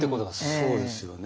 そうですよね。